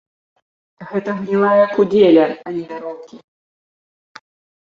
Гэта гнілая кудзеля, а не вяроўкі.